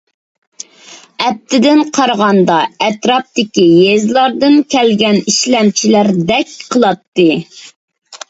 ئەپتىدىن قارىغاندا ئەتراپتىكى يېزىلاردىن كەلگەن ئىشلەمچىلەردەك قىلاتتى.